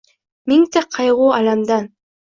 Mingta qayg‘u-alamdan